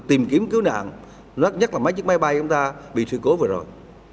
tìm kiếm cứu nạn nhất là máy chiếc máy bay của chúng ta bị sự cố vừa rồi